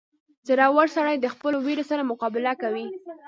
• زړور سړی د خپلو وېرې سره مقابله کوي.